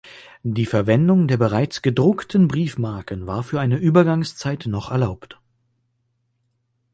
Die Verwendung der bereits gedruckten Briefmarken war für eine Übergangszeit noch erlaubt.